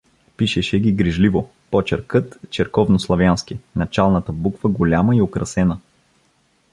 Пишеше ги грижливо, почеркът — черковнославянски, началната буква голяма и украсена.